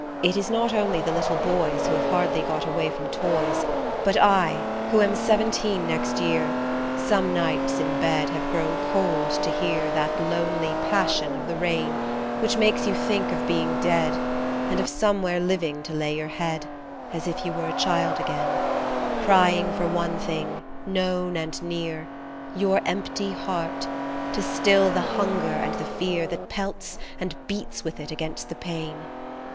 It is not only the little boys Who have hardly got away from toys, But I, who am seventeen next year, Some nights, in bed, have grown cold to hear That lonely passion of the rain Which makes you think of being dead, And of somewhere living to lay your head As if you were a child again, Crying for one thing, known and near Your empty heart, to still the hunger and the fear That pelts and beats with it against the pane.